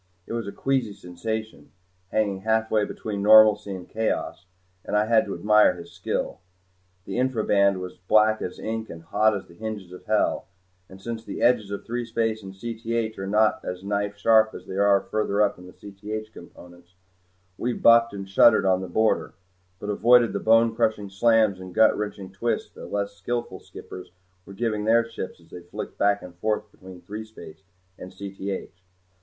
It was a queasy sensation, hanging halfway between normalcy and chaos, and I had to admire his skill. The infra band was black as ink and hot as the hinges of hell and since the edges of threespace and Cth are not as knife sharp as they are further up in the Cth components, we bucked and shuddered on the border, but avoided the bone crushing slams and gut wrenching twists that less skillful skippers were giving their ships as they flicked back and forth between threespace and Cth.